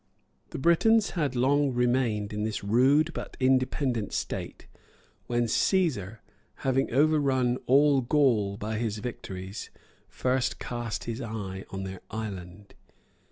The Britons had long remained in this rude but independent state, when Cæsar, having overrun all Gaul by his victories, first cast his eye on their island.